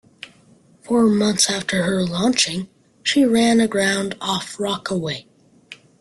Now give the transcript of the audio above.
Four months after her launching, she ran aground off Rockaway.